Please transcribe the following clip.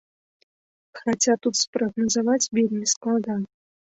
Хаця тут спрагназаваць вельмі складана.